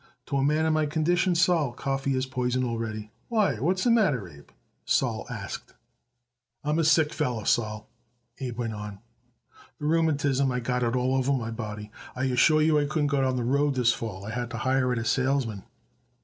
To a man in my conditions, Sol, coffee is poison already." "Why, what's the matter, Abe?" Sol asked. "I'm a sick feller, Sol," Abe went on. "The rheumatism I got it all over my body. I assure you I couldn't go out on the road this fall. I had to hire it a salesman."